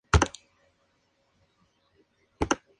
Se le considera el padre de la sociología moderna.